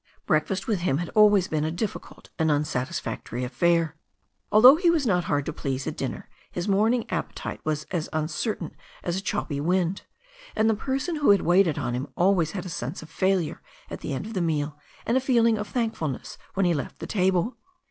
Breakfast with him had always been a difficult and unsat isfactory affair. Although he was not hard to please at din ner, his morning appetite was as uncertain as a choppy wind, and the person who had waited on him always had a sense of failure at the end of the meal, and a feeling of thankful ness when he left the table.